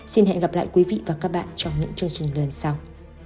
xin hẹn gặp lại quý vị và các bạn trong những chương trình lần sau